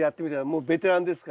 もうベテランですから。